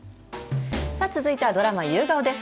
さあ、続いてはドラマ、夕顔です。